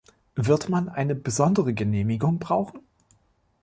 Wird man eine besondere Genehmigung brauchen?